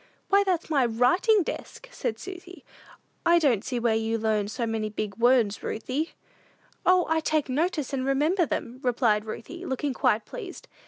"Why, that's a writing desk," said Susy. "I don't see where you learn so many big worns, Ruthie." "O, I take notice, and remember them," replied Ruthie, looking quite pleased.